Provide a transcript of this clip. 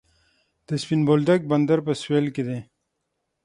د سپین بولدک بندر په سویل کې دی